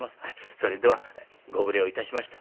それではご無礼をいたしました。